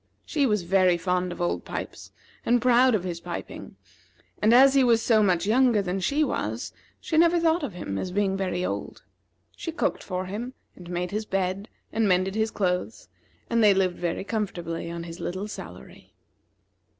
She was very fond of Old Pipes, and proud of his piping; and as he was so much younger than she was, she never thought of him as being very old. She cooked for him, and made his bed, and mended his clothes; and they lived very comfortably on his little salary.